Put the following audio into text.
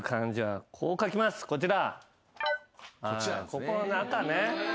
ここ中ね。